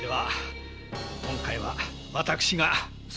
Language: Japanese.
今回は私が。